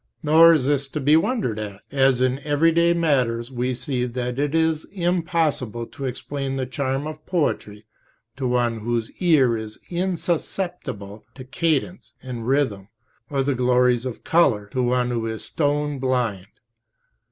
Nor is this to be wondered at, as in everyday matters we see that it is impossible to explain the charm of poetry to one whose ear is insusceptible of cadence and rhythm, or the glories of colour to one who is stone blind.